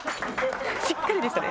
しっかりでしたね。